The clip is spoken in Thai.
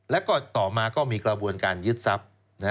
แล้วก็ต่อมาก็มีกระบวนการยึดทรัพย์